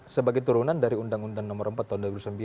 sebagai turunan dari undang undang nomor empat tahun dua ribu sembilan